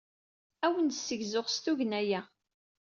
Ad awen-d-ssegzuɣ s tugna-a.